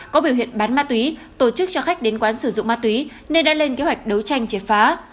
có biểu hiện bán ma túy tổ chức cho khách đến quán sử dụng ma túy nên đã lên kế hoạch đấu tranh triệt phá